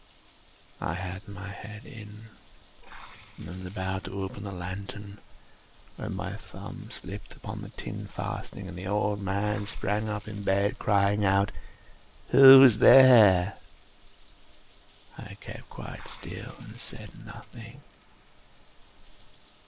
I had my head in, and was about to open the lantern, when my thumb slipped upon the tin fastening, and the old man sprang up in bed, crying out—"Who's there?" I kept quite still and said nothing.